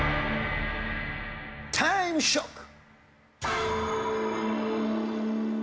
タイムショック！